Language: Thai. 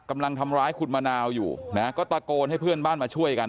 กำลังทำร้ายคุณมะนาวอยู่นะก็ตะโกนให้เพื่อนบ้านมาช่วยกัน